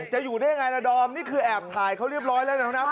อยู่ได้ยังไงล่ะดอมนี่คือแอบถ่ายเขาเรียบร้อยแล้วนะ